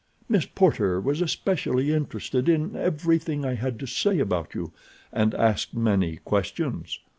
Miss Porter was especially interested in everything I had to say about you, and asked many questions.